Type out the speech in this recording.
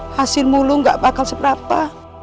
hasil mulu gak bakal seberapa